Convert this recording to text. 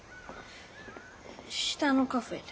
下のカフェで。